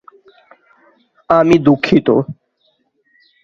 আমি দুঃখিত।